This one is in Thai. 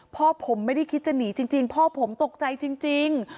พ่อผมไม่ได้คิดจะหนีจริงพ่อผมตกใจจริง